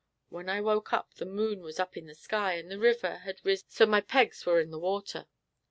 When I woke up the moon war up in the sky, and the river had riz so my pegs war in the water.